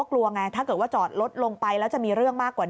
กลัวไงถ้าเกิดว่าจอดรถลงไปแล้วจะมีเรื่องมากกว่านี้